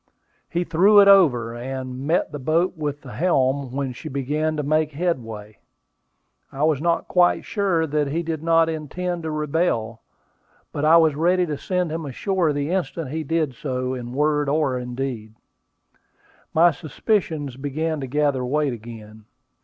He threw it over, and met the boat with the helm when she began to make headway. I was not quite sure that he did not intend to rebel; but I was ready to send him ashore the instant he did so in word or deed. My suspicions began to gather weight again.